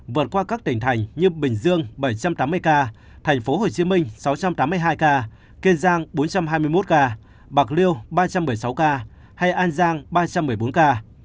vượt qua các tỉnh thành như bình dương bảy trăm tám mươi ca tp hcm sáu trăm tám mươi hai ca kiên giang bốn trăm hai mươi một ca bạc liêu ba trăm một mươi sáu ca hay an giang ba trăm một mươi bốn ca